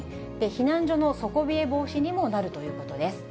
避難所の底冷え防止にもなるということです。